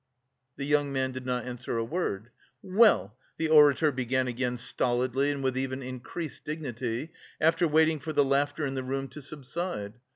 The young man did not answer a word. "Well," the orator began again stolidly and with even increased dignity, after waiting for the laughter in the room to subside.